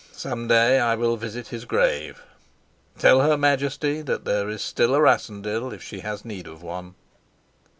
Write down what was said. Some day I will visit his grave. Tell her Majesty that there is still a Rassendyll, if she has need of one."